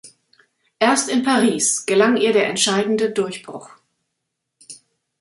Erst in Paris gelang ihr der entscheidende Durchbruch.